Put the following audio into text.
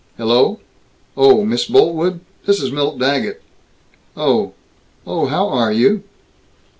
"Hello? Oh! Miss Boltwood? This is Milt Daggett." "Oh! Oh, how are you?"